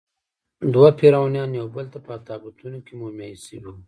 دوه فرعونیان یوبل ته په تابوتونو کې مومیایي شوي وو.